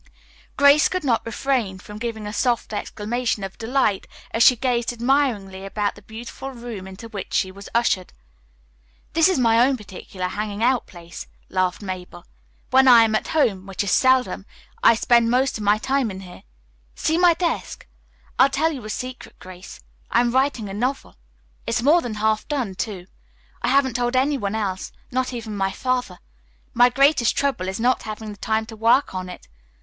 Grace could not refrain from giving a soft exclamation of delight as she gazed admiringly about the beautiful room into which she was ushered. "This is my own particular hanging out place," laughed Mabel "When I am at home, which is seldom, I spend most of my time in here. See my desk! I'll tell you a secret, Grace. I am writing a novel. It's more than half done, too. I haven't told any one else, not even Father. My greatest trouble is not having the time to work on it.